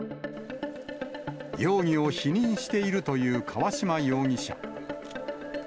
容疑を否認しているという川島容疑者。